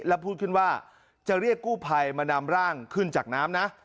แล้วพูดขึ้นว่าจะเรียกกู้ภัยมานำร่างขึ้นจากน้ำนะ